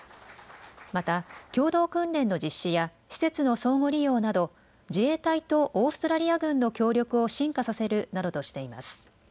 また共同訓練の実施や施設の相互利用など自衛隊とオーストラリア軍の協力を深化させるなどとしています。